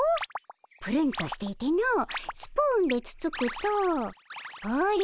ぷるんとしていてのスプーンでつつくとほれ